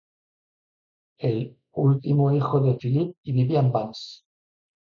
Último hijo de Philip y Vivian Banks.